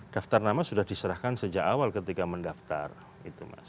daftar nama sudah diserahkan sejak awal ketika mendaftar itu mas